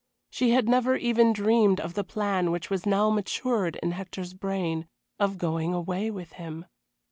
She had never even dreamed of the plan which was now matured in Hector's brain of going away with him.